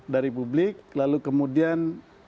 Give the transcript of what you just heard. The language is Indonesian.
dari publik lalu kemudian